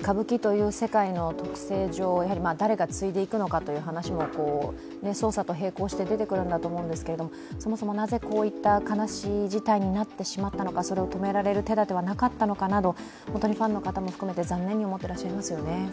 歌舞伎という世界の特性上誰が継いでいくのかという話も捜査と並行して出てくるんだと思うんですがそもそもなぜこういった悲しい事態になってしまったのかそれを止められる手だてはなかったのかなど、ファンの方も含めて残念に思ってらっしゃいますよね。